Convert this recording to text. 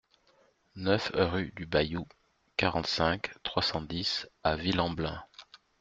neuf rue du Baillou, quarante-cinq, trois cent dix à Villamblain